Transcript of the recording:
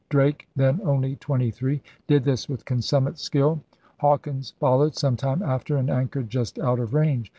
Drake, then only twenty three, did this with consummate skill. Hawkins followed some time after and anchored just out of range.